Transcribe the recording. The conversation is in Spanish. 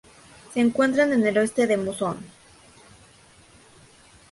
Se encuentra al oeste de Monzón.